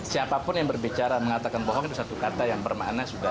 siapapun yang berbicara mengatakan bohong itu satu kata yang bermakna